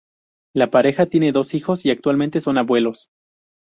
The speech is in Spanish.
La pareja tiene dos hijos y actualmente son abuelos.